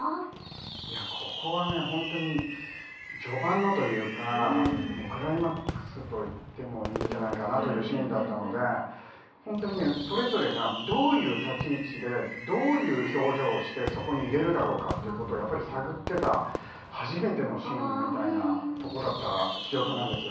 いや、ここは本当に序盤のというかクライマックスといってもいいんじゃないかというシーンだったので本当にね、それぞれどういう立ち位置でどういう表情をしてそこにいられるだろうかということを探っていた初めてのシーンみたいなところだった記憶なんですよ。